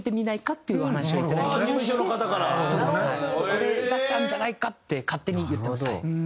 それだったんじゃないかって勝手に言ってます。